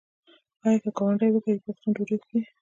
آیا که ګاونډی وږی وي پښتون ډوډۍ خوري؟